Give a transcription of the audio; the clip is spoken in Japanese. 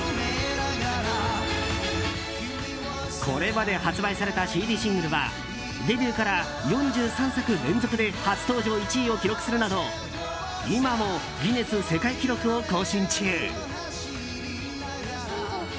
これまで発売されたＣＤシングルはデビューから４３作連続で初登場１位を記録するなど今もギネス世界記録を更新中。